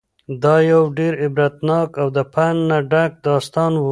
دا یو ډېر عبرتناک او د پند نه ډک داستان و.